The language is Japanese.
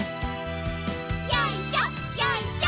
よいしょよいしょ。